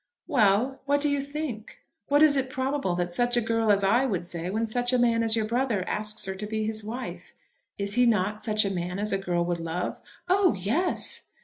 "Well; what do you think? What is it probable that such a girl as I would say when such a man as your brother asks her to be his wife? Is he not such a man as a girl would love?" "Oh yes."